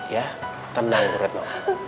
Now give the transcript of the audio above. ya tenang buretno